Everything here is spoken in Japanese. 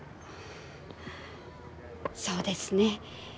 そうですね。